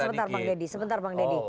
sebentar sebentar bang deddy